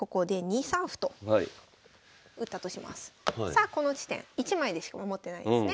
さあこの地点１枚でしか守ってないですね。